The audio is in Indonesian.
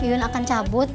ayun akan cabut